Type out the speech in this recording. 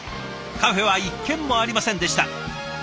カフェは１軒もありませんでした。